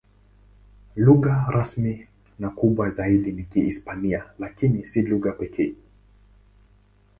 Lugha rasmi na kubwa zaidi ni Kihispania, lakini si lugha pekee.